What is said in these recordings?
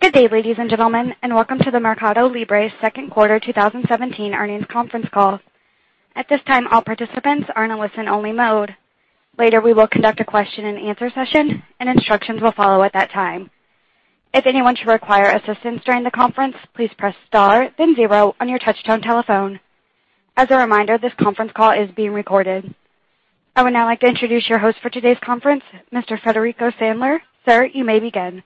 Good day, ladies and gentlemen, welcome to the MercadoLibre second quarter 2017 earnings conference call. At this time, all participants are in a listen-only mode. Later, we will conduct a question and answer session, and instructions will follow at that time. If anyone should require assistance during the conference, please press star then zero on your touchtone telephone. As a reminder, this conference call is being recorded. I would now like to introduce your host for today's conference, Mr. Federico Sandler. Sir, you may begin.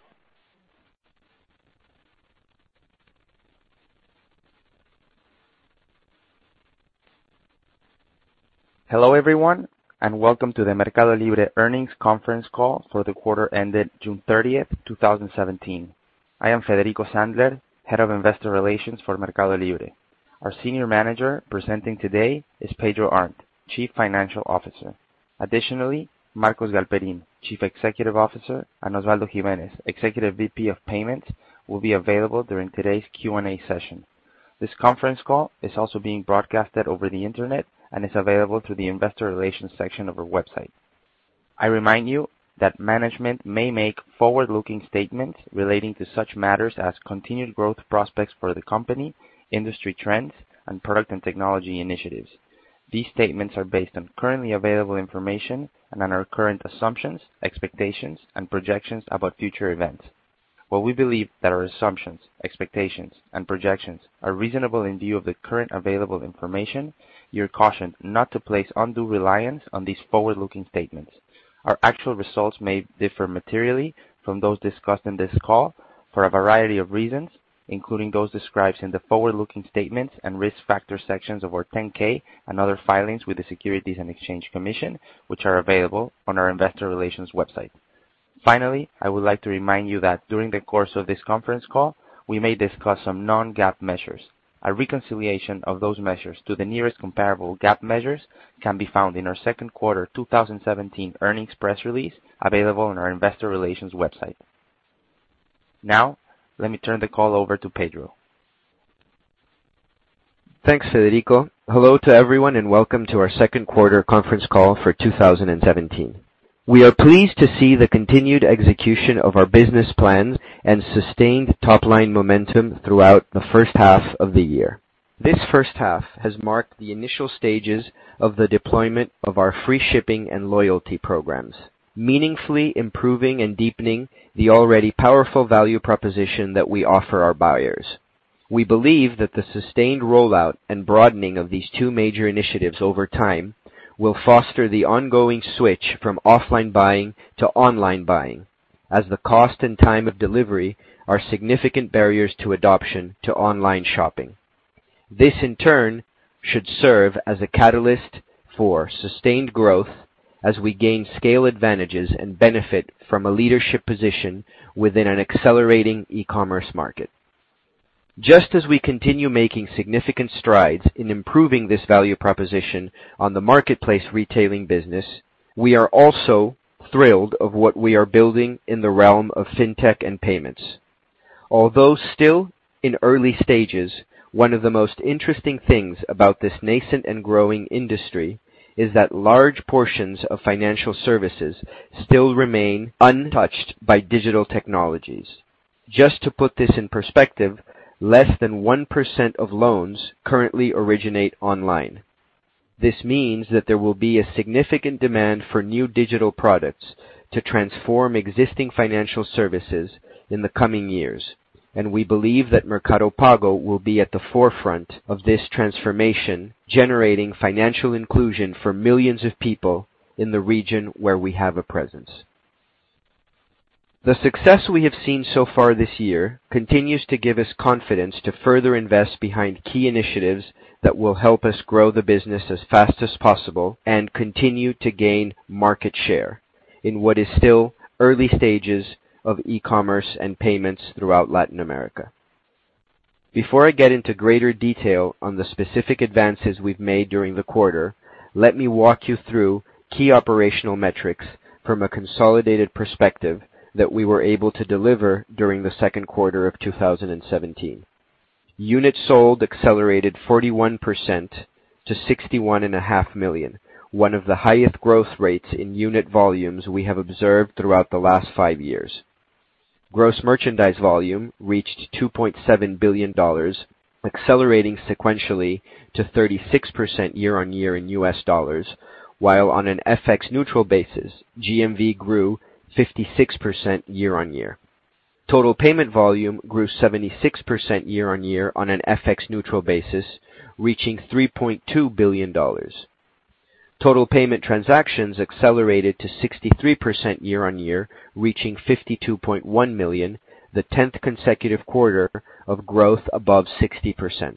Hello, everyone, welcome to the MercadoLibre earnings conference call for the quarter ended June 30th, 2017. I am Federico Sandler, head of investor relations for MercadoLibre. Our senior manager presenting today is Pedro Arnt, Chief Financial Officer. Additionally, Marcos Galperin, Chief Executive Officer, and Osvaldo Giménez, Executive VP of Payments, will be available during today's Q&A session. This conference call is also being broadcasted over the internet and is available through the investor relations section of our website. I remind you that management may make forward-looking statements relating to such matters as continued growth prospects for the company, industry trends, and product and technology initiatives. These statements are based on currently available information and on our current assumptions, expectations, and projections about future events. While we believe that our assumptions, expectations, and projections are reasonable in view of the current available information, you are cautioned not to place undue reliance on these forward-looking statements. Our actual results may differ materially from those discussed on this call for a variety of reasons, including those described in the forward-looking statements and risk factor sections of our 10-K and other filings with the Securities and Exchange Commission, which are available on our investor relations website. I would like to remind you that during the course of this conference call, we may discuss some non-GAAP measures. A reconciliation of those measures to the nearest comparable GAAP measures can be found in our second quarter 2017 earnings press release, available on our investor relations website. Let me turn the call over to Pedro. Thanks, Federico. Hello to everyone, welcome to our second quarter conference call for 2017. We are pleased to see the continued execution of our business plans and sustained top-line momentum throughout the first half of the year. This first half has marked the initial stages of the deployment of our free shipping and loyalty programs, meaningfully improving and deepening the already powerful value proposition that we offer our buyers. We believe that the sustained rollout and broadening of these two major initiatives over time will foster the ongoing switch from offline buying to online buying, as the cost and time of delivery are significant barriers to adoption to online shopping. This, in turn, should serve as a catalyst for sustained growth as we gain scale advantages and benefit from a leadership position within an accelerating e-commerce market. Just as we continue making significant strides in improving this value proposition on the marketplace retailing business, we are also thrilled of what we are building in the realm of fintech and payments. Although still in early stages, one of the most interesting things about this nascent and growing industry is that large portions of financial services still remain untouched by digital technologies. Just to put this in perspective, less than 1% of loans currently originate online. This means that there will be a significant demand for new digital products to transform existing financial services in the coming years, and we believe that Mercado Pago will be at the forefront of this transformation, generating financial inclusion for millions of people in the region where we have a presence. The success we have seen so far this year continues to give us confidence to further invest behind key initiatives that will help us grow the business as fast as possible and continue to gain market share in what is still early stages of e-commerce and payments throughout Latin America. Before I get into greater detail on the specific advances we've made during the quarter, let me walk you through key operational metrics from a consolidated perspective that we were able to deliver during the second quarter of 2017. Units sold accelerated 41% to 61.5 million, one of the highest growth rates in unit volumes we have observed throughout the last five years. Gross merchandise volume reached $2.7 billion, accelerating sequentially to 36% year-on-year in US dollars, while on an FX neutral basis, GMV grew 56% year-on-year. Total payment volume grew 76% year-on-year on an FX neutral basis, reaching $3.2 billion. Total payment transactions accelerated to 63% year-on-year, reaching 52.1 million, the tenth consecutive quarter of growth above 60%.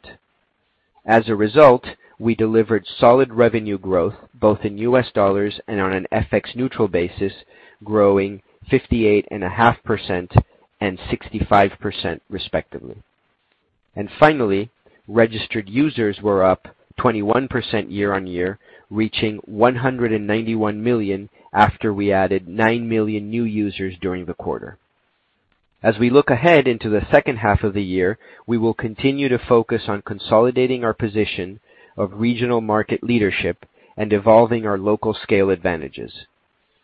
As a result, we delivered solid revenue growth both in US dollars and on an FX neutral basis, growing 58.5% and 65%, respectively. Finally, registered users were up 21% year-on-year, reaching 191 million after we added nine million new users during the quarter. As we look ahead into the second half of the year, we will continue to focus on consolidating our position of regional market leadership and evolving our local scale advantages.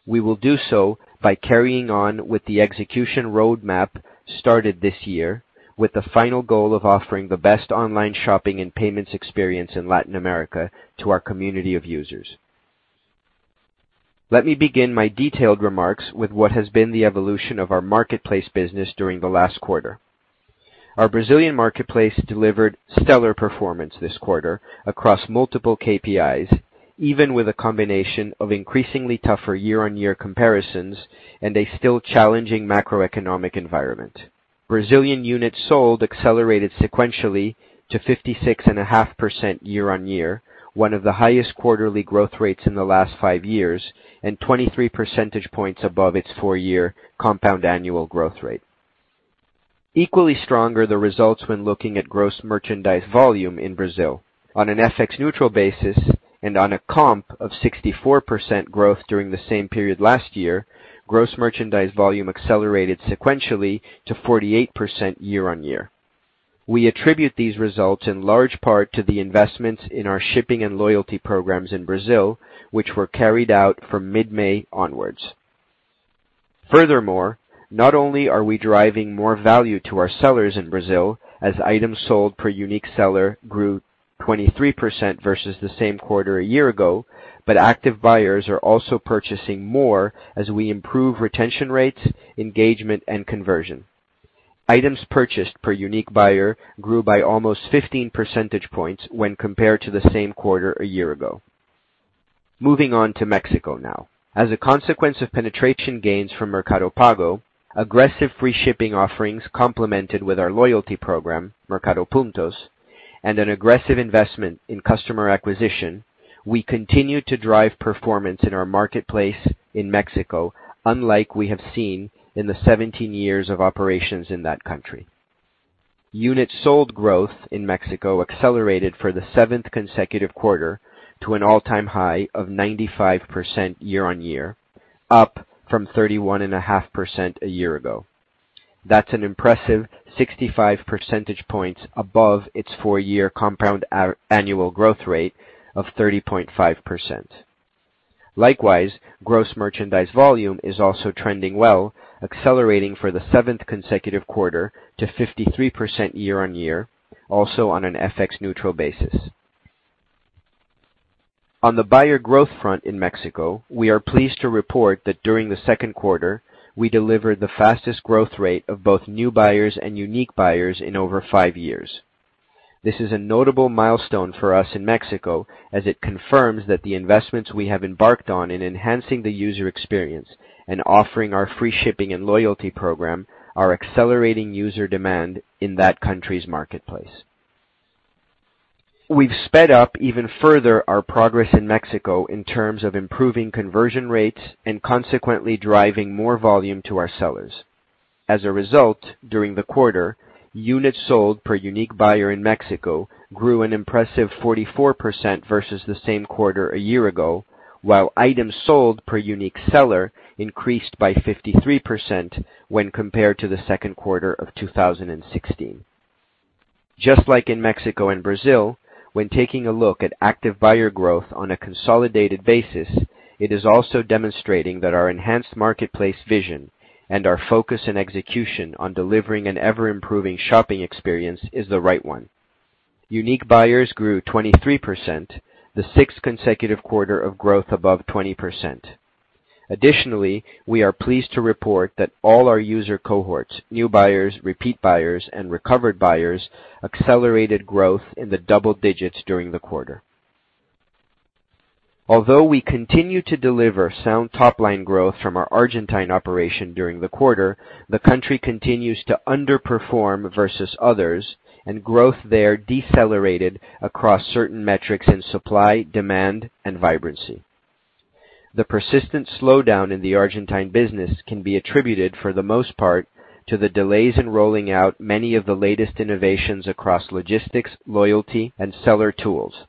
We will do so by carrying on with the execution roadmap started this year, with the final goal of offering the best online shopping and payments experience in Latin America to our community of users. Let me begin my detailed remarks with what has been the evolution of our marketplace business during the last quarter. Our Brazilian marketplace delivered stellar performance this quarter across multiple KPIs, even with a combination of increasingly tougher year-on-year comparisons and a still challenging macroeconomic environment. Brazilian units sold accelerated sequentially to 56.5% year-on-year, one of the highest quarterly growth rates in the last five years, and 23 percentage points above its four-year compound annual growth rate. Equally stronger, the results when looking at gross merchandise volume in Brazil. On an FX-neutral basis and on a comp of 64% growth during the same period last year, gross merchandise volume accelerated sequentially to 48% year-on-year. We attribute these results in large part to the investments in our shipping and loyalty programs in Brazil, which were carried out from mid-May onwards. Not only are we driving more value to our sellers in Brazil, as items sold per unique seller grew 23% versus the same quarter a year ago, active buyers are also purchasing more as we improve retention rates, engagement, and conversion. Items purchased per unique buyer grew by almost 15 percentage points when compared to the same quarter a year ago. Moving on to Mexico now. As a consequence of penetration gains from Mercado Pago, aggressive free shipping offerings complemented with our loyalty program, Mercado Puntos, and an aggressive investment in customer acquisition, we continue to drive performance in our marketplace in Mexico unlike we have seen in the 17 years of operations in that country. Units sold growth in Mexico accelerated for the seventh consecutive quarter to an all-time high of 95% year-on-year, up from 31.5% a year ago. That's an impressive 65 percentage points above its four-year compound annual growth rate of 30.5%. Likewise, gross merchandise volume is also trending well, accelerating for the seventh consecutive quarter to 53% year-on-year, also on an FX-neutral basis. On the buyer growth front in Mexico, we are pleased to report that during the second quarter, we delivered the fastest growth rate of both new buyers and unique buyers in over five years. This is a notable milestone for us in Mexico as it confirms that the investments we have embarked on in enhancing the user experience and offering our free shipping and loyalty program are accelerating user demand in that country's marketplace. We've sped up even further our progress in Mexico in terms of improving conversion rates and consequently driving more volume to our sellers. During the quarter, units sold per unique buyer in Mexico grew an impressive 44% versus the same quarter a year ago, while items sold per unique seller increased by 53% when compared to the second quarter of 2016. Just like in Mexico and Brazil, when taking a look at active buyer growth on a consolidated basis, it is also demonstrating that our enhanced marketplace vision and our focus and execution on delivering an ever-improving shopping experience is the right one. Unique buyers grew 23%, the sixth consecutive quarter of growth above 20%. Additionally, we are pleased to report that all our user cohorts, new buyers, repeat buyers, and recovered buyers, accelerated growth in the double digits during the quarter. We continue to deliver sound top-line growth from our Argentine operation during the quarter, the country continues to underperform versus others, and growth there decelerated across certain metrics in supply, demand, and vibrancy. The persistent slowdown in the Argentine business can be attributed, for the most part, to the delays in rolling out many of the latest innovations across logistics, loyalty, and seller tools.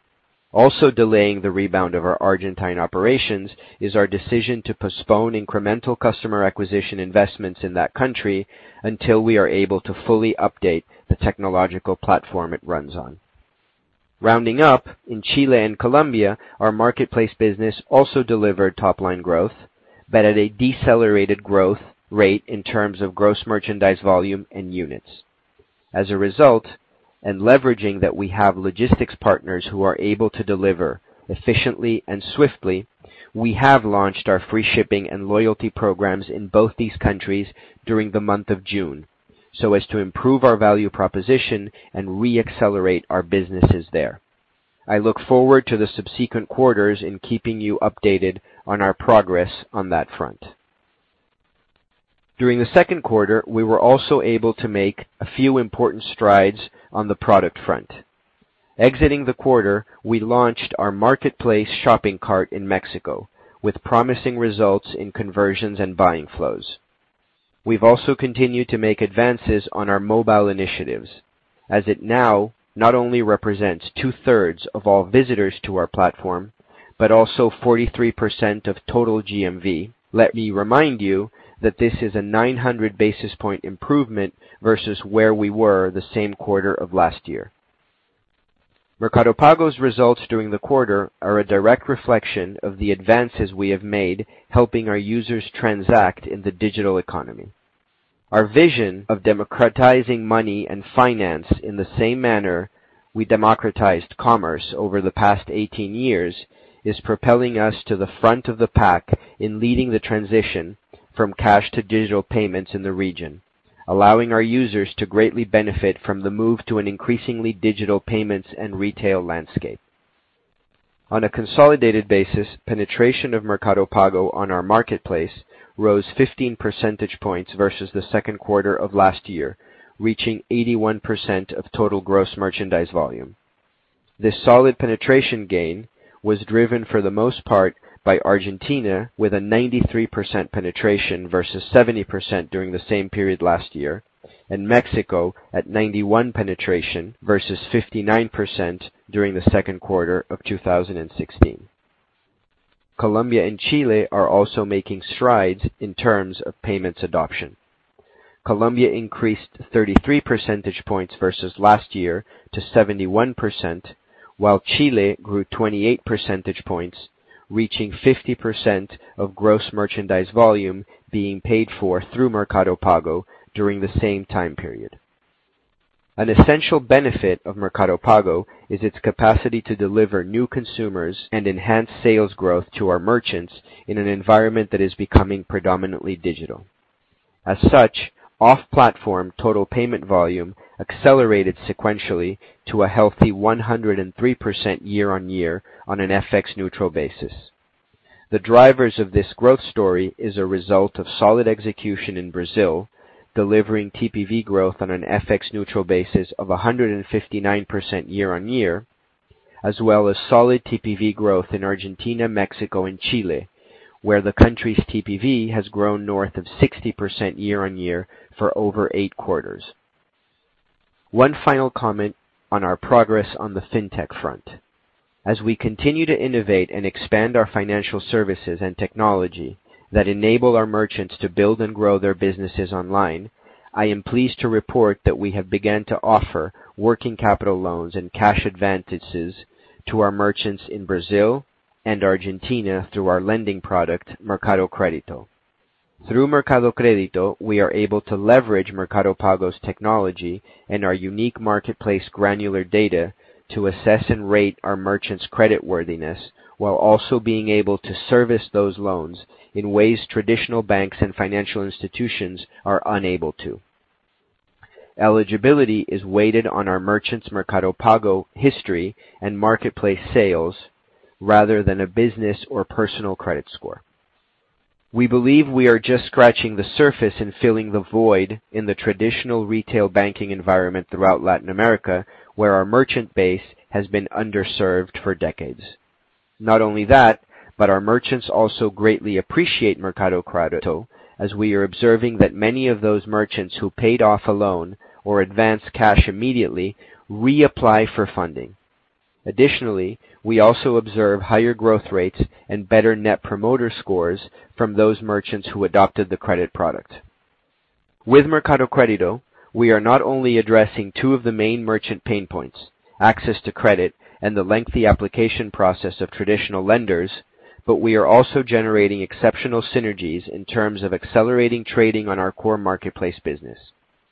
Also delaying the rebound of our Argentine operations is our decision to postpone incremental customer acquisition investments in that country until we are able to fully update the technological platform it runs on. Rounding up, in Chile and Colombia, our marketplace business also delivered top-line growth, but at a decelerated growth rate in terms of gross merchandise volume and units. As a result, and leveraging that we have logistics partners who are able to deliver efficiently and swiftly, we have launched our free shipping and loyalty programs in both these countries during the month of June so as to improve our value proposition and re-accelerate our businesses there. I look forward to the subsequent quarters in keeping you updated on our progress on that front. During the second quarter, we were also able to make a few important strides on the product front. Exiting the quarter, we launched our marketplace shopping cart in Mexico with promising results in conversions and buying flows. We've also continued to make advances on our mobile initiatives as it now not only represents two-thirds of all visitors to our platform but also 43% of total GMV. Let me remind you that this is a 900 basis point improvement versus where we were the same quarter of last year. Mercado Pago's results during the quarter are a direct reflection of the advances we have made helping our users transact in the digital economy. Our vision of democratizing money and finance in the same manner we democratized commerce over the past 18 years is propelling us to the front of the pack in leading the transition from cash to digital payments in the region, allowing our users to greatly benefit from the move to an increasingly digital payments and retail landscape. On a consolidated basis, penetration of Mercado Pago on our marketplace rose 15 percentage points versus the second quarter of last year, reaching 81% of total gross merchandise volume. This solid penetration gain was driven for the most part by Argentina with a 93% penetration versus 70% during the same period last year, and Mexico at 91% penetration versus 59% during the second quarter of 2016. Colombia and Chile are also making strides in terms of payments adoption. Colombia increased 33 percentage points versus last year to 71%, while Chile grew 28 percentage points, reaching 50% of gross merchandise volume being paid for through Mercado Pago during the same time period. An essential benefit of Mercado Pago is its capacity to deliver new consumers and enhance sales growth to our merchants in an environment that is becoming predominantly digital. As such, off-platform total payment volume accelerated sequentially to a healthy 103% year-on-year on an FX neutral basis. The drivers of this growth story is a result of solid execution in Brazil, delivering TPV growth on an FX neutral basis of 159% year-on-year, as well as solid TPV growth in Argentina, Mexico, and Chile, where the country's TPV has grown north of 60% year-on-year for over eight quarters. One final comment on our progress on the fintech front. As we continue to innovate and expand our financial services and technology that enable our merchants to build and grow their businesses online, I am pleased to report that we have begun to offer working capital loans and cash advantages to our merchants in Brazil and Argentina through our lending product, Mercado Crédito. Through Mercado Crédito, we are able to leverage Mercado Pago's technology and our unique marketplace granular data to assess and rate our merchants' creditworthiness, while also being able to service those loans in ways traditional banks and financial institutions are unable to. Eligibility is weighted on our merchants' Mercado Pago history and marketplace sales rather than a business or personal credit score. We believe we are just scratching the surface in filling the void in the traditional retail banking environment throughout Latin America, where our merchant base has been underserved for decades. Not only that, our merchants also greatly appreciate Mercado Crédito, as we are observing that many of those merchants who paid off a loan or advanced cash immediately reapply for funding. Additionally, we also observe higher growth rates and better net promoter scores from those merchants who adopted the credit product. With Mercado Crédito, we are not only addressing two of the main merchant pain points, access to credit and the lengthy application process of traditional lenders, but we are also generating exceptional synergies in terms of accelerating trading on our core marketplace business.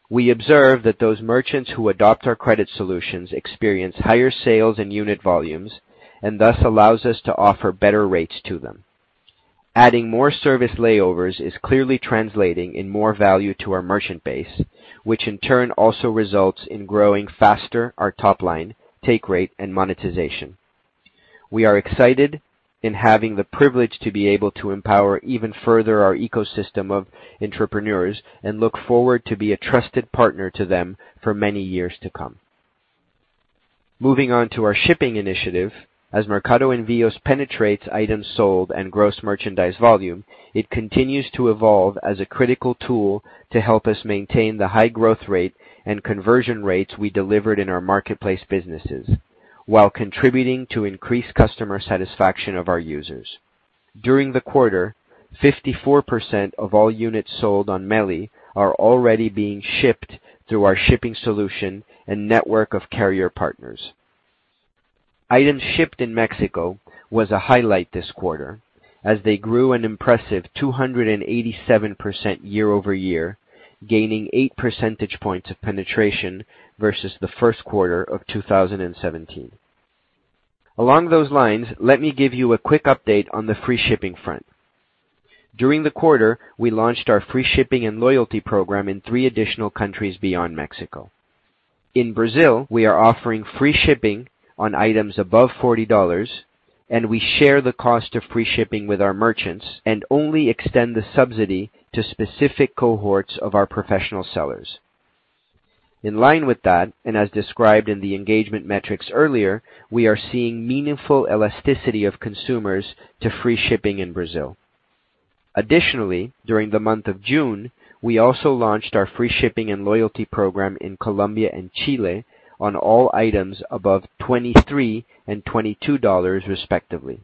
We observe that those merchants who adopt our credit solutions experience higher sales and unit volumes, thus allows us to offer better rates to them. Adding more service layovers is clearly translating in more value to our merchant base, which in turn also results in growing faster our top line, take rate, and monetization. We are excited in having the privilege to be able to empower even further our ecosystem of entrepreneurs, look forward to be a trusted partner to them for many years to come. Moving on to our shipping initiative, as Mercado Envios penetrates items sold and gross merchandise volume, it continues to evolve as a critical tool to help us maintain the high growth rate and conversion rates we delivered in our marketplace businesses while contributing to increased customer satisfaction of our users. During the quarter, 54% of all units sold on Meli are already being shipped through our shipping solution and network of carrier partners. Items shipped in Mexico was a highlight this quarter, as they grew an impressive 287% year-over-year, gaining eight percentage points of penetration versus the first quarter of 2017. Along those lines, let me give you a quick update on the free shipping front. During the quarter, we launched our free shipping and loyalty program in three additional countries beyond Mexico. In Brazil, we are offering free shipping on items above $40, we share the cost of free shipping with our merchants and only extend the subsidy to specific cohorts of our professional sellers. In line with that, as described in the engagement metrics earlier, we are seeing meaningful elasticity of consumers to free shipping in Brazil. Additionally, during the month of June, we also launched our free shipping and loyalty program in Colombia and Chile on all items above $23 and $22, respectively.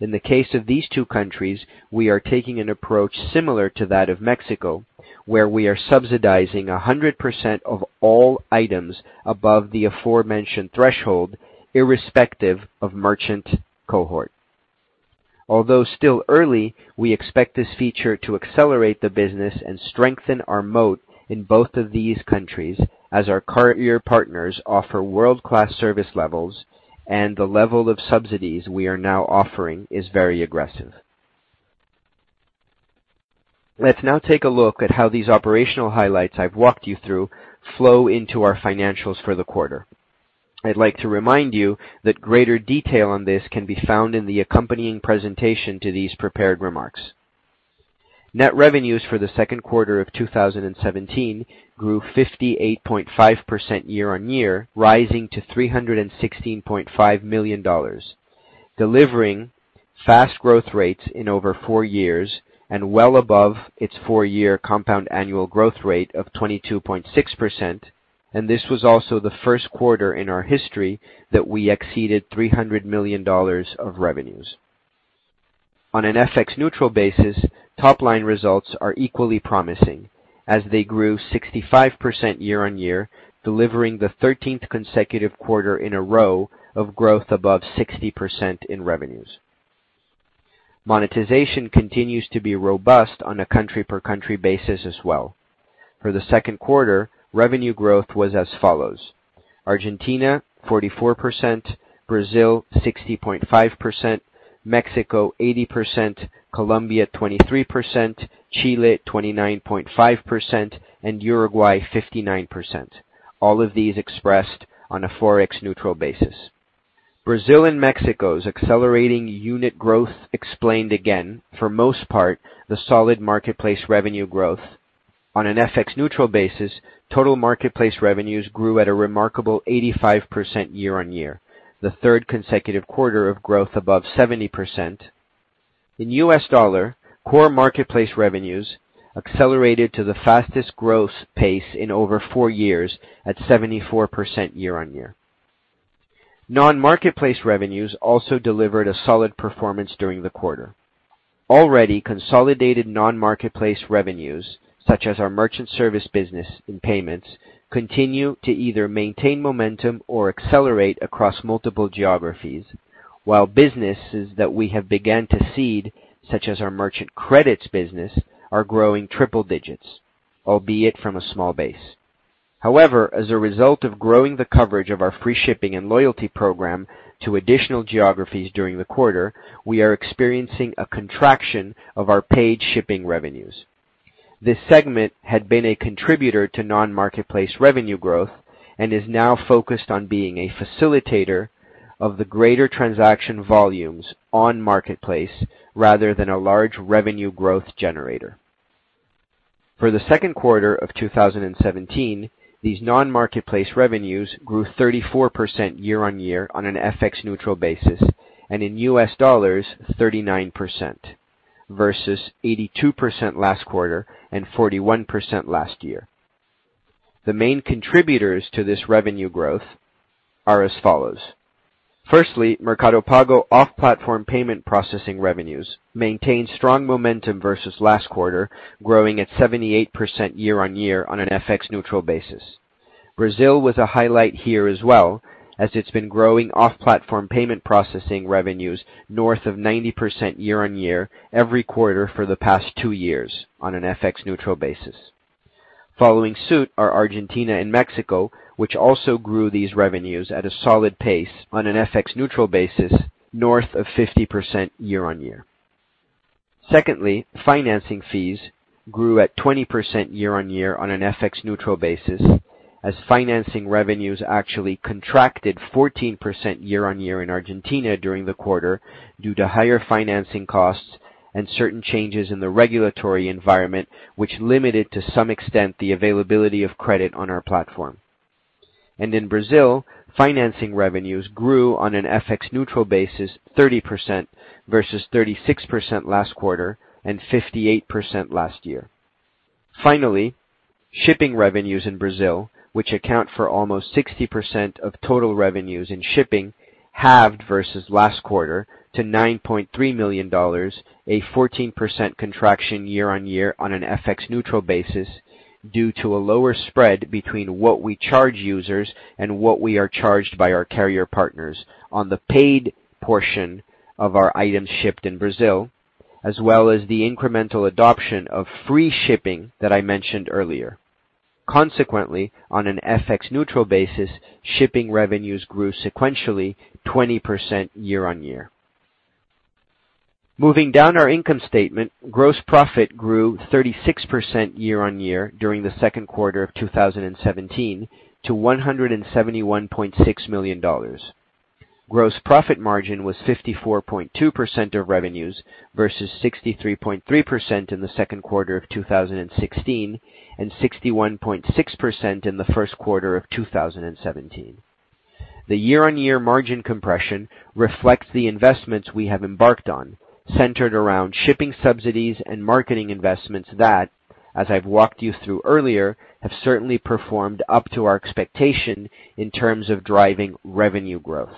In the case of these two countries, we are taking an approach similar to that of Mexico, where we are subsidizing 100% of all items above the aforementioned threshold, irrespective of merchant cohort. Although still early, we expect this feature to accelerate the business and strengthen our moat in both of these countries, as our carrier partners offer world-class service levels and the level of subsidies we are now offering is very aggressive. Let's now take a look at how these operational highlights I've walked you through flow into our financials for the quarter. I'd like to remind you that greater detail on this can be found in the accompanying presentation to these prepared remarks. Net revenues for the second quarter of 2017 grew 58.5% year-on-year, rising to $316.5 million, delivering fast growth rates in over four years and well above its four-year compound annual growth rate of 22.6%. This was also the first quarter in our history that we exceeded $300 million of revenues. On an FX-neutral basis, top-line results are equally promising, as they grew 65% year-on-year, delivering the 13th consecutive quarter in a row of growth above 60% in revenues. Monetization continues to be robust on a country-per-country basis as well. For the second quarter, revenue growth was as follows: Argentina 44%, Brazil 60.5%, Mexico 80%, Colombia 23%, Chile 29.5%, and Uruguay 59%. All of these expressed on a forex-neutral basis. Brazil and Mexico's accelerating unit growth explained again, for most part, the solid marketplace revenue growth. On an FX-neutral basis, total marketplace revenues grew at a remarkable 85% year-on-year, the third consecutive quarter of growth above 70%. In US dollar, core marketplace revenues accelerated to the fastest growth pace in over four years at 74% year-on-year. Non-marketplace revenues also delivered a solid performance during the quarter. Already consolidated non-marketplace revenues, such as our merchant service business in payments, continue to either maintain momentum or accelerate across multiple geographies, while businesses that we have begun to seed, such as our Mercado Crédito business, are growing triple digits, albeit from a small base. However, as a result of growing the coverage of our free shipping and Mercado Puntos to additional geographies during the quarter, we are experiencing a contraction of our paid shipping revenues. This segment had been a contributor to non-marketplace revenue growth and is now focused on being a facilitator of the greater transaction volumes on marketplace rather than a large revenue growth generator. For the second quarter of 2017, these non-marketplace revenues grew 34% year-on-year on an FX-neutral basis, and in US dollars, 39%, versus 82% last quarter and 41% last year. The main contributors to this revenue growth are as follows. Firstly, Mercado Pago off-platform payment processing revenues maintained strong momentum versus last quarter, growing at 78% year-on-year on an FX-neutral basis. Brazil was a highlight here as well, as it's been growing off-platform payment processing revenues north of 90% year-on-year every quarter for the past two years on an FX-neutral basis. Following suit are Argentina and Mexico, which also grew these revenues at a solid pace on an FX-neutral basis north of 50% year-on-year. Secondly, financing fees grew at 20% year-on-year on an FX-neutral basis as financing revenues actually contracted 14% year-on-year in Argentina during the quarter due to higher financing costs and certain changes in the regulatory environment, which limited, to some extent, the availability of credit on our platform. In Brazil, financing revenues grew on an FX-neutral basis 30% versus 36% last quarter and 58% last year. Shipping revenues in Brazil, which account for almost 60% of total revenues in shipping, halved versus last quarter to $9.3 million, a 14% contraction year-on-year on an FX-neutral basis due to a lower spread between what we charge users and what we are charged by our carrier partners on the paid portion of our items shipped in Brazil, as well as the incremental adoption of free shipping that I mentioned earlier. On an FX-neutral basis, shipping revenues grew sequentially 20% year-on-year. Moving down our income statement, gross profit grew 36% year-on-year during the second quarter of 2017 to $171.6 million. Gross profit margin was 54.2% of revenues versus 63.3% in the second quarter of 2016 and 61.6% in the first quarter of 2017. The year-on-year margin compression reflects the investments we have embarked on, centered around shipping subsidies and marketing investments that, as I've walked you through earlier, have certainly performed up to our expectation in terms of driving revenue growth.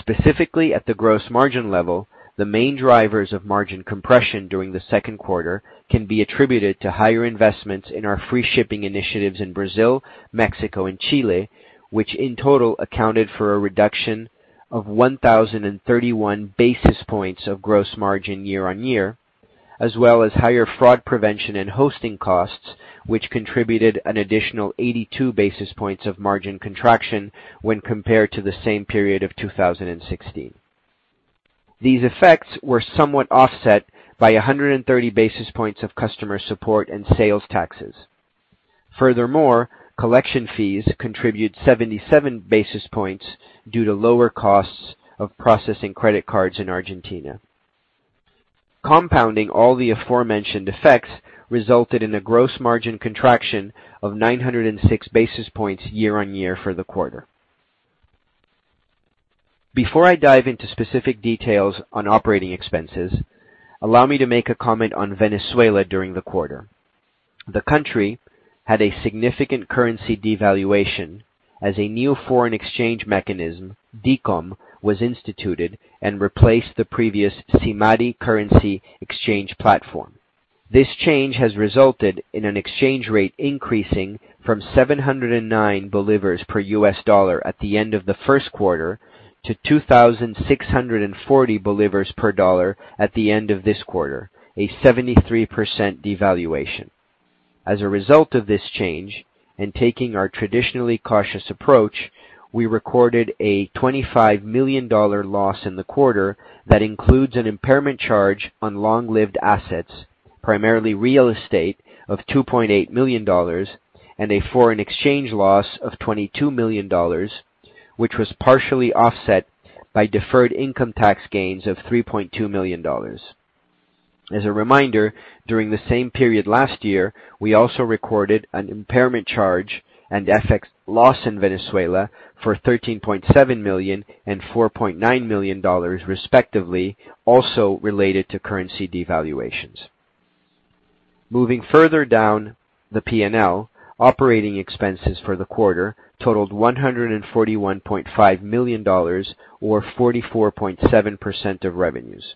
Specifically at the gross margin level, the main drivers of margin compression during the second quarter can be attributed to higher investments in our free shipping initiatives in Brazil, Mexico, and Chile, which in total accounted for a reduction of 1,031 basis points of gross margin year-on-year, as well as higher fraud prevention and hosting costs, which contributed an additional 82 basis points of margin contraction when compared to the same period of 2016. These effects were somewhat offset by 130 basis points of customer support and sales taxes. Collection fees contribute 77 basis points due to lower costs of processing credit cards in Argentina. Compounding all the aforementioned effects resulted in a gross margin contraction of 906 basis points year-on-year for the quarter. Before I dive into specific details on operating expenses, allow me to make a comment on Venezuela during the quarter. The country had a significant currency devaluation as a new foreign exchange mechanism, DICOM, was instituted and replaced the previous SIMADI currency exchange platform. This change has resulted in an exchange rate increasing from 709 bolivars per US dollar at the end of the first quarter to 2,640 bolivars per US dollar at the end of this quarter, a 73% devaluation. As a result of this change, taking our traditionally cautious approach, we recorded a $25 million loss in the quarter that includes an impairment charge on long-lived assets, primarily real estate of $2.8 million, and a foreign exchange loss of $22 million, which was partially offset by deferred income tax gains of $3.2 million. As a reminder, during the same period last year, we also recorded an impairment charge and FX loss in Venezuela for $13.7 million and $4.9 million respectively, also related to currency devaluations. Moving further down the P&L, operating expenses for the quarter totaled $141.5 million, or 44.7% of revenues.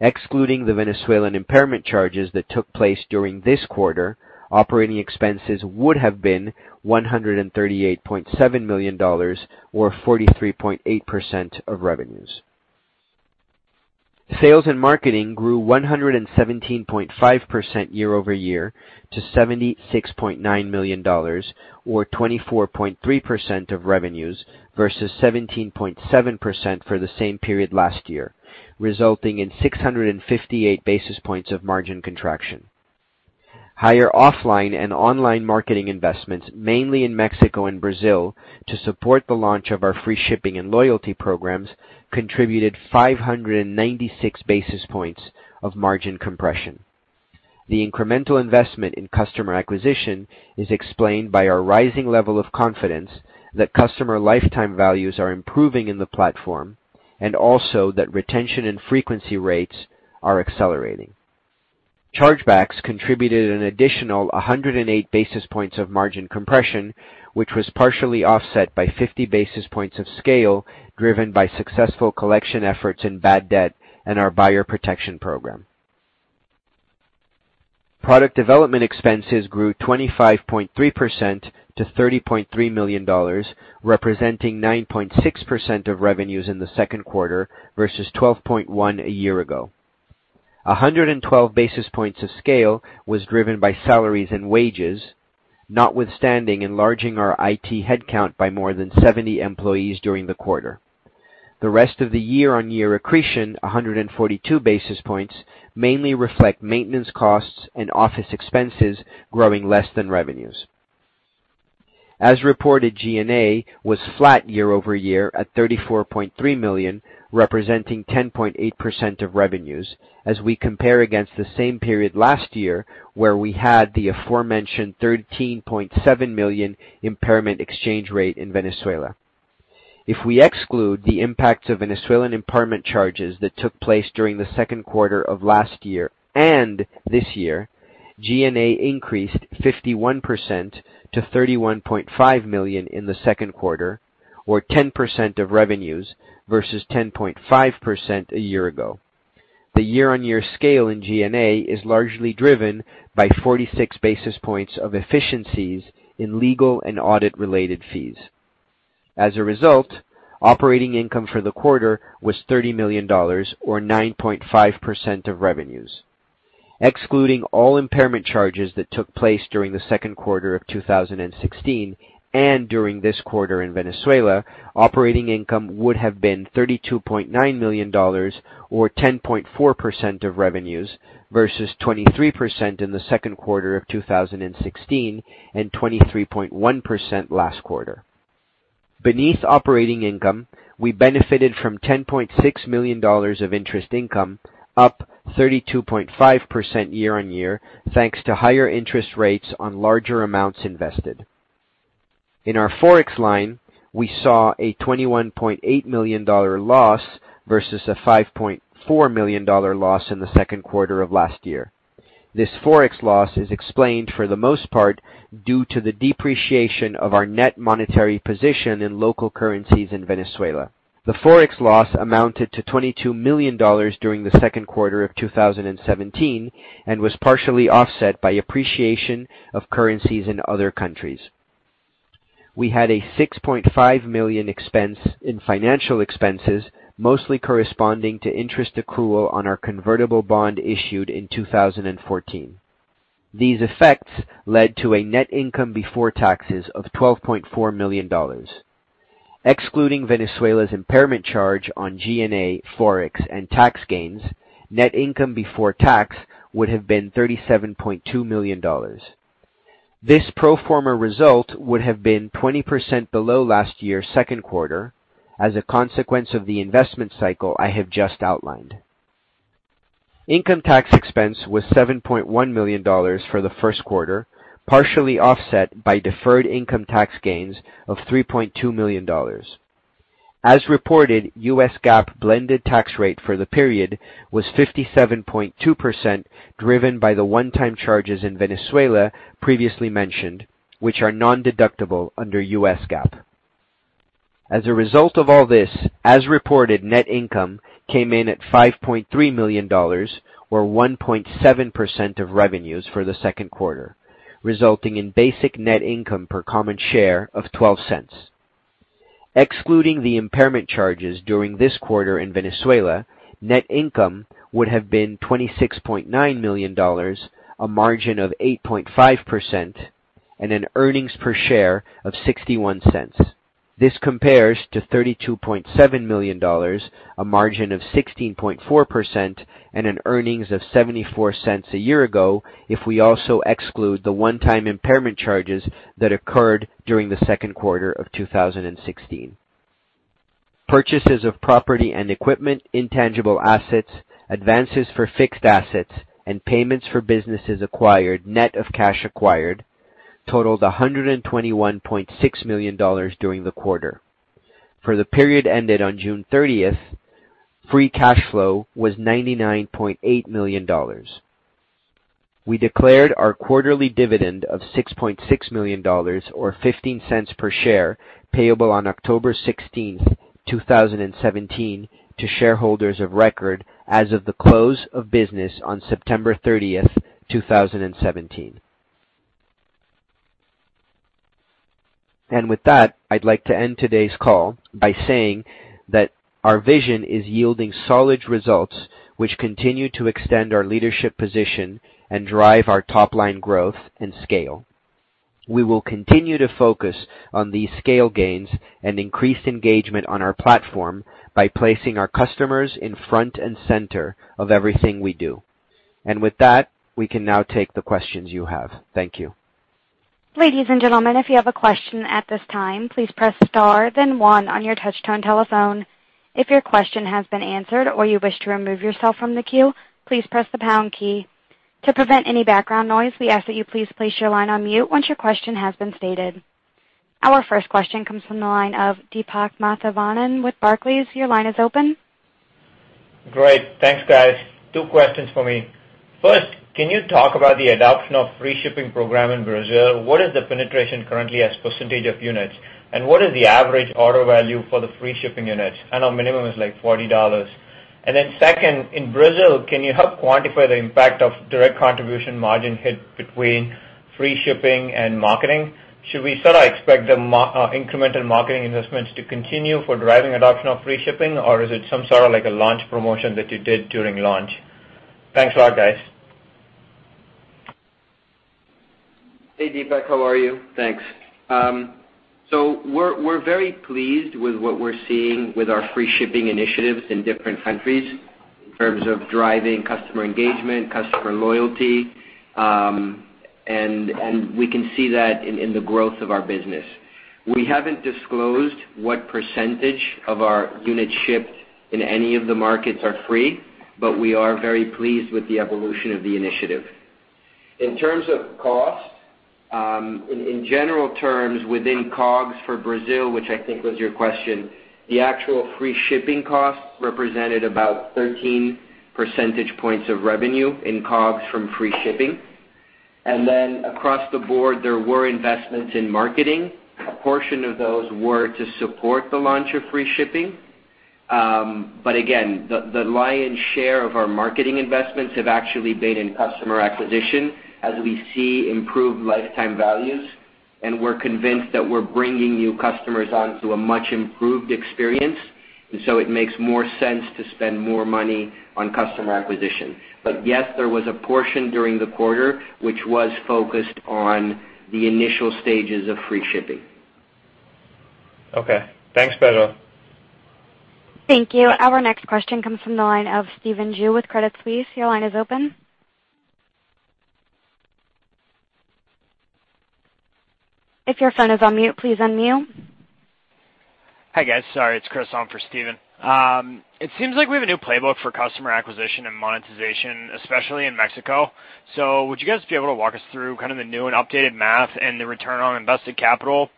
Excluding the Venezuelan impairment charges that took place during this quarter, operating expenses would have been $138.7 million or 43.8% of revenues. Sales and marketing grew 117.5% year-over-year to $76.9 million, or 24.3% of revenues versus 17.7% for the same period last year, resulting in 658 basis points of margin contraction. Higher offline and online marketing investments, mainly in Mexico and Brazil, to support the launch of our free shipping and loyalty programs, contributed 596 basis points of margin compression. The incremental investment in customer acquisition is explained by our rising level of confidence that customer lifetime values are improving in the platform, and also that retention and frequency rates are accelerating. Chargebacks contributed an additional 108 basis points of margin compression, which was partially offset by 50 basis points of scale driven by successful collection efforts in bad debt and our buyer protection program. Product development expenses grew 25.3% to $30.3 million, representing 9.6% of revenues in the second quarter versus 12.1% a year ago. 112 basis points of scale was driven by salaries and wages, notwithstanding enlarging our IT headcount by more than 70 employees during the quarter. The rest of the year-on-year accretion, 142 basis points, mainly reflect maintenance costs and office expenses growing less than revenues. As reported, G&A was flat year-over-year at $34.3 million, representing 10.8% of revenues as we compare against the same period last year where we had the aforementioned $13.7 million impairment exchange rate in Venezuela. If we exclude the impacts of Venezuelan impairment charges that took place during the second quarter of last year and this year, G&A increased 51% to $31.5 million in the second quarter or 10% of revenues versus 10.5% a year ago. The year-on-year scale in G&A is largely driven by 46 basis points of efficiencies in legal and audit-related fees. As a result, operating income for the quarter was $30 million or 9.5% of revenues. Excluding all impairment charges that took place during the second quarter of 2016 and during this quarter in Venezuela, operating income would have been $32.9 million or 10.4% of revenues versus 23% in the second quarter of 2016 and 23.1% last quarter. Beneath operating income, we benefited from $10.6 million of interest income, up 32.5% year-on-year, thanks to higher interest rates on larger amounts invested. In our ForEx line, we saw a $21.8 million loss versus a $5.4 million loss in the second quarter of last year. This ForEx loss is explained for the most part due to the depreciation of our net monetary position in local currencies in Venezuela. The ForEx loss amounted to $22 million during the second quarter of 2017 and was partially offset by appreciation of currencies in other countries. We had a $6.5 million expense in financial expenses, mostly corresponding to interest accrual on our convertible bond issued in 2014. These effects led to a net income before taxes of $12.4 million. Excluding Venezuela's impairment charge on G&A, ForEx, and tax gains, net income before tax would have been $37.2 million. This pro forma result would have been 20% below last year's second quarter as a consequence of the investment cycle I have just outlined. Income tax expense was $7.1 million for the first quarter, partially offset by deferred income tax gains of $3.2 million. As reported, US GAAP blended tax rate for the period was 57.2%, driven by the one-time charges in Venezuela previously mentioned, which are non-deductible under US GAAP. As a result of all this, as reported, net income came in at $5.3 million, or 1.7% of revenues for the second quarter, resulting in basic net income per common share of $0.12. Excluding the impairment charges during this quarter in Venezuela, net income would have been $26.9 million, a margin of 8.5%, and an earnings per share of $0.61. This compares to $32.7 million, a margin of 16.4%, and an earnings of $0.74 a year ago if we also exclude the one-time impairment charges that occurred during the second quarter of 2016. Purchases of property and equipment, intangible assets, advances for fixed assets, and payments for businesses acquired net of cash acquired totaled $121.6 million during the quarter. For the period ended on June 30th, free cash flow was $99.8 million. We declared our quarterly dividend of $6.6 million, or $0.15 per share, payable on October 16th, 2017, to shareholders of record as of the close of business on September 30th, 2017. With that, I'd like to end today's call by saying that our vision is yielding solid results, which continue to extend our leadership position and drive our top-line growth and scale. We will continue to focus on these scale gains and increase engagement on our platform by placing our customers in front and center of everything we do. With that, we can now take the questions you have. Thank you. Ladies and gentlemen, if you have a question at this time, please press star then one on your touch-tone telephone. If your question has been answered or you wish to remove yourself from the queue, please press the pound key. To prevent any background noise, we ask that you please place your line on mute once your question has been stated. Our first question comes from the line of Deepak Mathivanan with Barclays. Your line is open. Great. Thanks, guys. Two questions for me. First, can you talk about the adoption of free shipping program in Brazil? What is the penetration currently as % of units, and what is the average order value for the free shipping units? I know minimum is like $40. Second, in Brazil, can you help quantify the impact of direct contribution margin hit between free shipping and marketing? Should we sort of expect the incremental marketing investments to continue for driving adoption of free shipping, or is it some sort of like a launch promotion that you did during launch? Thanks a lot, guys. Hey, Deepak. How are you? Thanks. We're very pleased with what we're seeing with our free shipping initiatives in different countries in terms of driving customer engagement, customer loyalty. We can see that in the growth of our business. We haven't disclosed what percentage of our units shipped in any of the markets are free, but we are very pleased with the evolution of the initiative. In terms of cost, in general terms within COGS for Brazil, which I think was your question, the actual free shipping cost represented about 13 percentage points of revenue in COGS from free shipping. Across the board, there were investments in marketing. A portion of those were to support the launch of free shipping. Again, the lion's share of our marketing investments have actually been in customer acquisition as we see improved lifetime values. We're convinced that we're bringing new customers onto a much-improved experience. It makes more sense to spend more money on customer acquisition. Yes, there was a portion during the quarter which was focused on the initial stages of free shipping. Okay. Thanks, Pedro. Thank you. Our next question comes from the line of Stephen Ju with Credit Suisse. Your line is open. If your phone is on mute, please unmute. Hi guys, sorry. It's Chris on for Stephen. Would you guys be able to walk us through kind of the new and updated math and the return on invested capital?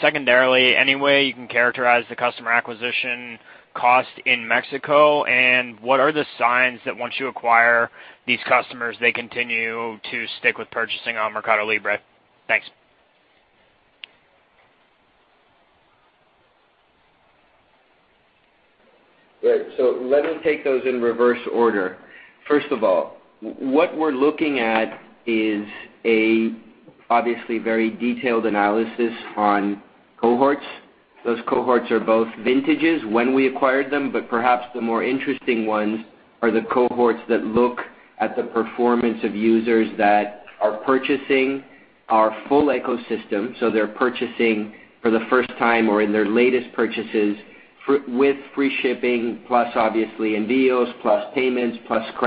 Secondarily, any way you can characterize the customer acquisition cost in Mexico, and what are the signs that once you acquire these customers, they continue to stick with purchasing on MercadoLibre? Thanks. Right. Let me take those in reverse order. First of all, what we're looking at is a obviously very detailed analysis on cohorts. Those cohorts are both vintages when we acquired them, but perhaps the more interesting ones are the cohorts that look at the performance of users that are purchasing our full ecosystem. They're purchasing for the first time or in their latest purchases, with free shipping, plus obviously, Envios, plus Mercado Pago, plus Mercado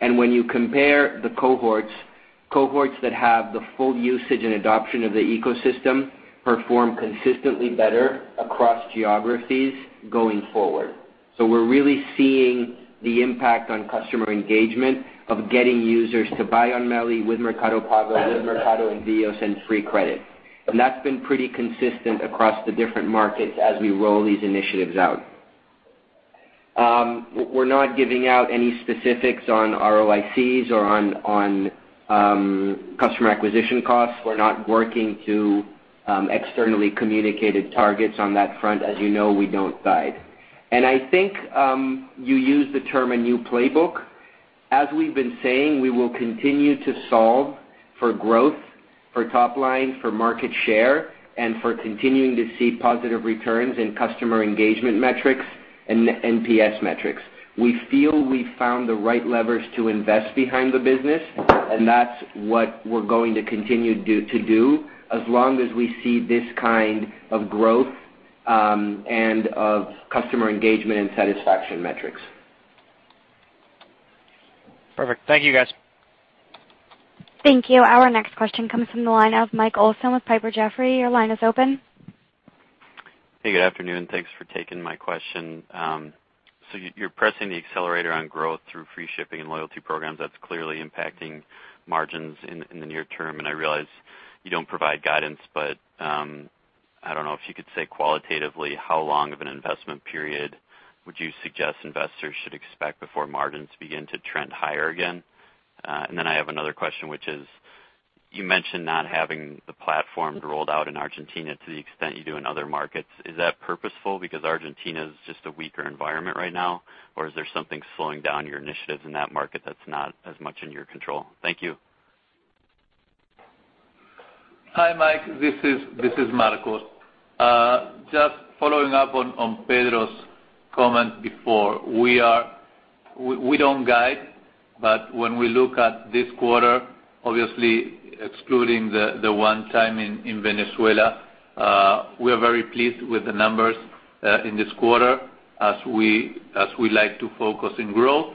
Crédito. When you compare the cohorts that have the full usage and adoption of the ecosystem perform consistently better across geographies going forward. We're really seeing the impact on customer engagement of getting users to buy on Meli with Mercado Pago, with Mercado Envios, and free credit. That's been pretty consistent across the different markets as we roll these initiatives out. We're not giving out any specifics on ROICs or on customer acquisition costs. We're not working to externally communicated targets on that front. As you know, we don't guide. I think, you used the term a new playbook. As we've been saying, we will continue to solve for growth, for top line, for market share, and for continuing to see positive returns in customer engagement metrics and NPS metrics. We feel we've found the right levers to invest behind the business, and that's what we're going to continue to do, as long as we see this kind of growth, and of customer engagement and satisfaction metrics. Perfect. Thank you, guys. Thank you. Our next question comes from the line of Michael Olson with Piper Jaffray. Your line is open. Hey, good afternoon. Thanks for taking my question. You're pressing the accelerator on growth through free shipping and loyalty programs that's clearly impacting margins in the near term. I realize you don't provide guidance, I don't know if you could say qualitatively, how long of an investment period would you suggest investors should expect before margins begin to trend higher again? I have another question, which is you mentioned not having the platform rolled out in Argentina to the extent you do in other markets. Is that purposeful because Argentina's just a weaker environment right now, or is there something slowing down your initiatives in that market that's not as much in your control? Thank you. Hi, Mike. This is Marcos. Just following up on Pedro's comment before. We don't guide, when we look at this quarter, obviously excluding the one time in Venezuela, we are very pleased with the numbers in this quarter as we like to focus in growth,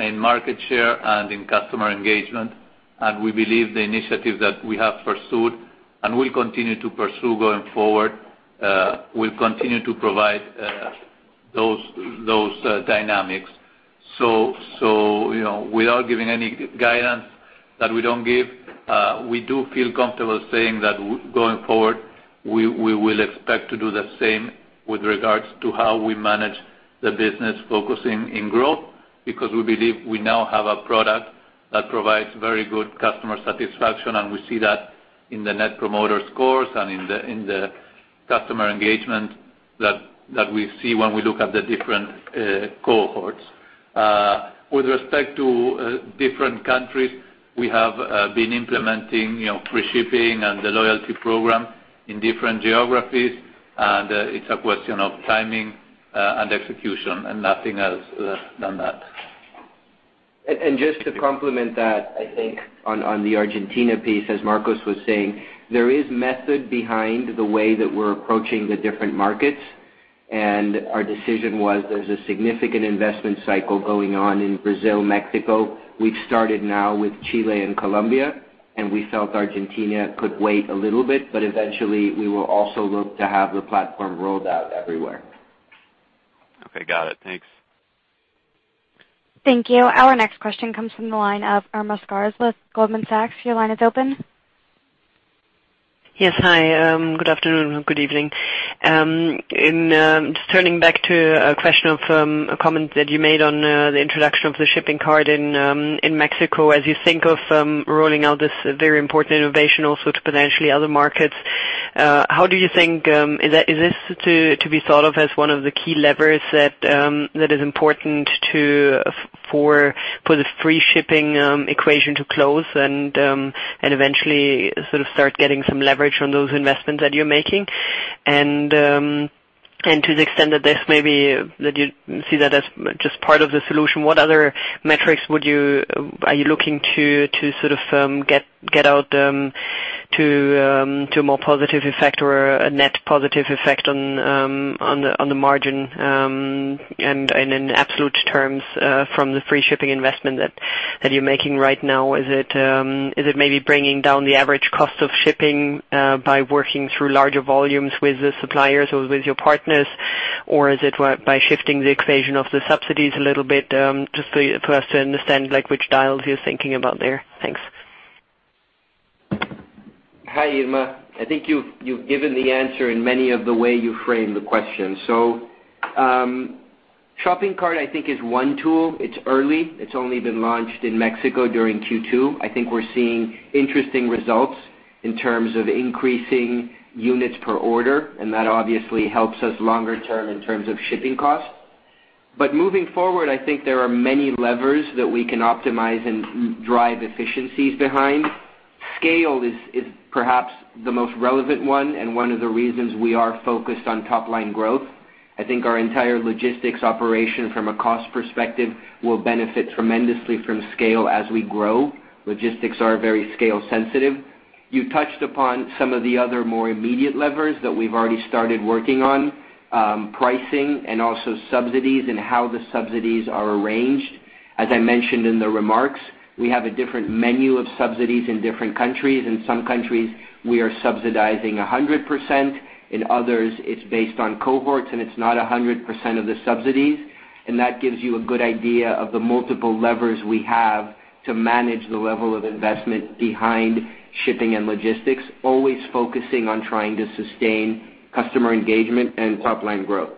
in market share, and in customer engagement. We believe the initiative that we have pursued and will continue to pursue going forward, will continue to provide those dynamics. Without giving any guidance that we don't give, we do feel comfortable saying that going forward, we will expect to do the same with regards to how we manage the business focusing in growth, because we believe we now have a product that provides very good customer satisfaction, and we see that in the net promoter scores and in the customer engagement that we see when we look at the different cohorts. With respect to different countries, we have been implementing free shipping and the loyalty program in different geographies, it's a question of timing, and execution, and nothing else than that. Just to complement that, I think on the Argentina piece, as Marcos was saying, there is method behind the way that we're approaching the different markets, our decision was there's a significant investment cycle going on in Brazil, Mexico. We've started now with Chile and Colombia, and we felt Argentina could wait a little bit, but eventually we will also look to have the platform rolled out everywhere. Okay, got it. Thanks. Thank you. Our next question comes from the line of Irma Sgarz with Goldman Sachs. Your line is open. Yes. Hi, good afternoon and good evening. Just turning back to a question from a comment that you made on the introduction of the shopping cart in Mexico. As you think of rolling out this very important innovation also to potentially other markets, how do you think, is this to be thought of as one of the key levers that is important for the free shipping equation to close and eventually sort of start getting some leverage on those investments that you're making? To the extent that you see that as just part of the solution, what other metrics are you looking to sort of get out to a more positive effect or a net positive effect on the margin, and in absolute terms, from the free shipping investment that you're making right now. Is it maybe bringing down the average cost of shipping by working through larger volumes with the suppliers or with your partners, or is it by shifting the equation of the subsidies a little bit? Just for us to understand which dials you're thinking about there. Thanks. Hi, Irma. I think you've given the answer in many of the way you framed the question. shopping cart, I think, is one tool. It's early. It's only been launched in Mexico during Q2. I think we're seeing interesting results in terms of increasing units per order, and that obviously helps us longer term in terms of shipping costs. Moving forward, I think there are many levers that we can optimize and drive efficiencies behind. Scale is perhaps the most relevant one and one of the reasons we are focused on top-line growth. I think our entire logistics operation from a cost perspective will benefit tremendously from scale as we grow. Logistics are very scale sensitive. You touched upon some of the other more immediate levers that we've already started working on, pricing and also subsidies and how the subsidies are arranged. As I mentioned in the remarks, we have a different menu of subsidies in different countries. In some countries, we are subsidizing 100%. In others, it's based on cohorts, and it's not 100% of the subsidies. That gives you a good idea of the multiple levers we have to manage the level of investment behind shipping and logistics, always focusing on trying to sustain customer engagement and top-line growth.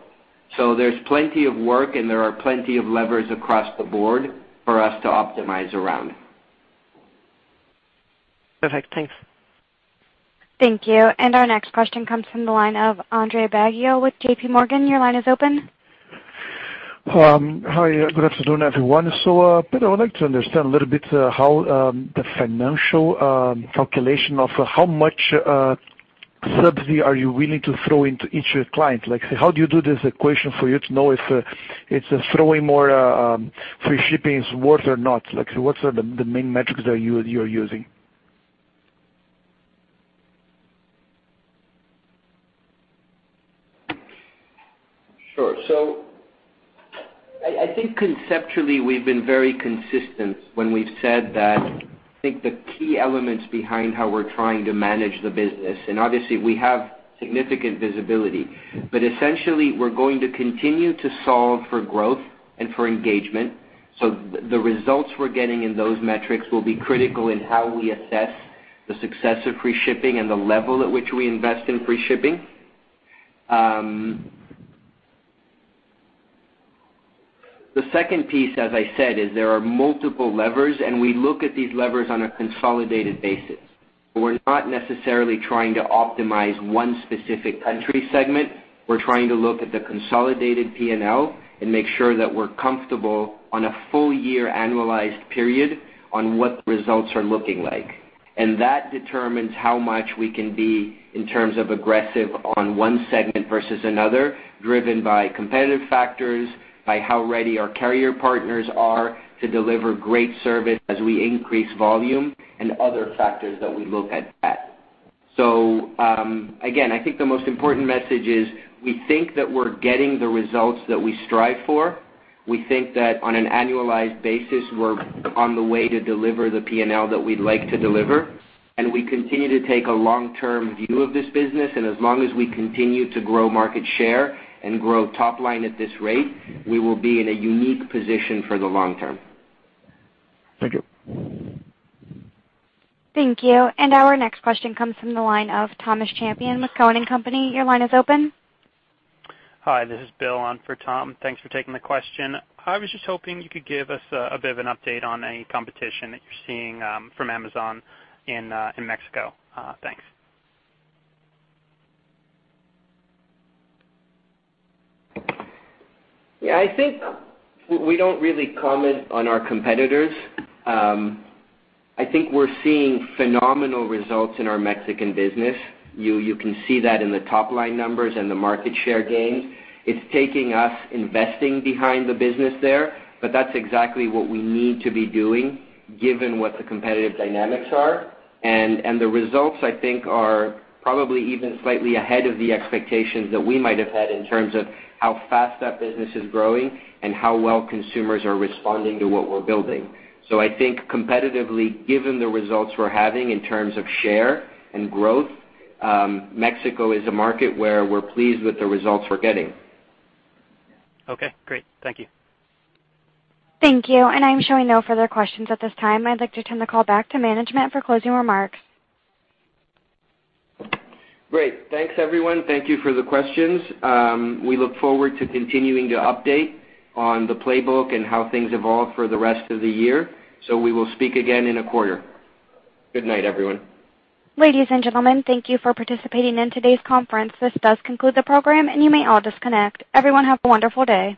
There's plenty of work and there are plenty of levers across the board for us to optimize around. Perfect. Thanks. Thank you. Our next question comes from the line of Andre Baggio with JPMorgan. Your line is open. Hi. Good afternoon, everyone. Pedro, I would like to understand a little bit how the financial calculation of how much subsidy are you willing to throw into each client. How do you do this equation for you to know if throwing more free shipping is worth or not? What are the main metrics that you are using? Sure. I think conceptually, we've been very consistent when we've said that I think the key elements behind how we're trying to manage the business, and obviously we have significant visibility. Essentially, we're going to continue to solve for growth and for engagement. The results we're getting in those metrics will be critical in how we assess the success of free shipping and the level at which we invest in free shipping. The second piece, as I said, is there are multiple levers, and we look at these levers on a consolidated basis. We're not necessarily trying to optimize one specific country segment. We're trying to look at the consolidated P&L and make sure that we're comfortable on a full year annualized period on what the results are looking like. That determines how much we can be in terms of aggressive on one segment versus another, driven by competitive factors, by how ready our carrier partners are to deliver great service as we increase volume, and other factors that we look at that. Again, I think the most important message is we think that we're getting the results that we strive for. We think that on an annualized basis, we're on the way to deliver the P&L that we'd like to deliver, and we continue to take a long-term view of this business, and as long as we continue to grow market share and grow top line at this rate, we will be in a unique position for the long term. Thank you. Thank you. Our next question comes from the line of Thomas Champion with Cowen and Company. Your line is open. Hi, this is Bill on for Tom. Thanks for taking the question. I was just hoping you could give us a bit of an update on any competition that you're seeing from Amazon in Mexico. Thanks. Yeah, I think we don't really comment on our competitors. I think we're seeing phenomenal results in our Mexican business. You can see that in the top-line numbers and the market share gains. It's taking us investing behind the business there, but that's exactly what we need to be doing given what the competitive dynamics are. The results, I think, are probably even slightly ahead of the expectations that we might have had in terms of how fast that business is growing and how well consumers are responding to what we're building. I think competitively, given the results we're having in terms of share and growth, Mexico is a market where we're pleased with the results we're getting. Okay, great. Thank you. Thank you. I'm showing no further questions at this time. I'd like to turn the call back to management for closing remarks. Great. Thanks, everyone. Thank you for the questions. We look forward to continuing to update on the playbook and how things evolve for the rest of the year. We will speak again in a quarter. Good night, everyone. Ladies and gentlemen, thank you for participating in today's conference. This does conclude the program, and you may all disconnect. Everyone have a wonderful day.